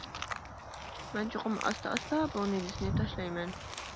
مەن چوقۇم ئاستا ئاستا بۇ نىجىسنى تاشلايمەن.